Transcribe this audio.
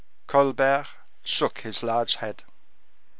Colbert shook his large head.